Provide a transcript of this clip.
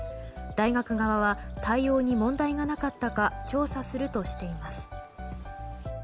大学側は対応に問題がなかったか調査するとしています。